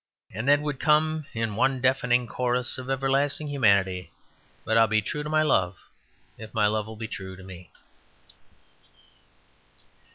And then would come in one deafening chorus of everlasting humanity "But I'll be true to my love, if my love'll be true to me."